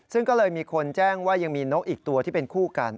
ซึ่งก็เลยมีคนแจ้งว่ายังมีนกอีกตัวที่เป็นคู่กัน